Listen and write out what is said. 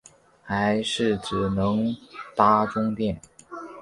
还是只能搭终电